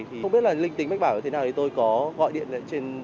không biết là linh tính bách bảo thế nào thì tôi có gọi điện lệnh trên tổng đài